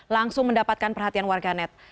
langsung mendapatkan perhatian warga net